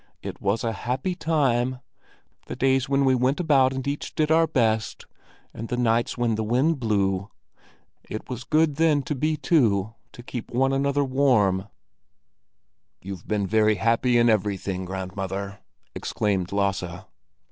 It was a happy time—the days when we went about and each did our best, and the nights when the wind blew. It was good then to be two to keep one another warm." "You've been very happy in everything, grandmother," exclaimed Lasse.